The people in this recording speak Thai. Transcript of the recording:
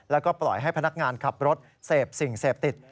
แล้วก็ปล่อยให้พนักงานขับรถเสพสิ่งเสพติด